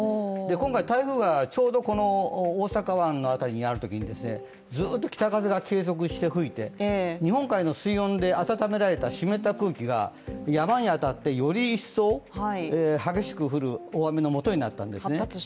今回、台風がちょうど大阪湾の辺りにあるころにずっと北風が継続して吹いて日本海の水温で暖められた湿った空気が山に当たってより一層激しく降る大雨のもとになったんですね。